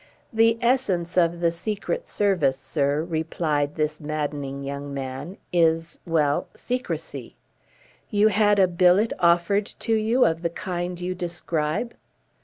"The essence of the Secret Service, sir," replied this maddening young man, "is well secrecy." "You had a billet offered to you, of the kind you describe?"